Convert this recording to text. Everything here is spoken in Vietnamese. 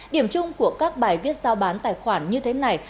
điểm chung của các bài viết giao bán tài khoản như thế này